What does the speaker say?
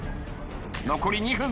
残り２分。